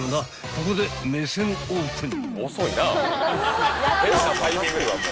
［ここで目線オープン］